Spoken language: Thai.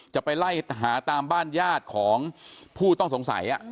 จะไปไล่หาตามบ้านญาติของผู้ต้องสงสัย